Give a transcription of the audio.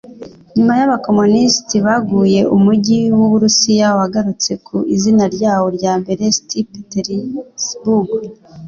Nyuma y’Abakomunisiti baguye, Umujyi w’Uburusiya wagarutse ku Izina ryayo ryambere St Petersburg